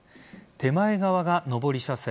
手前側が上り車線。